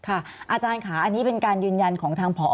อาจารย์ค่ะอันนี้เป็นการยืนยันของทางผอ